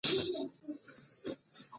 موږ د پنجرې په تنګه ساحه کې هاخوا دېخوا کتل